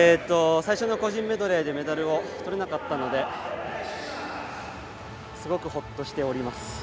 最初の個人メドレーでメダルをとれなかったのですごく、ほっとしております。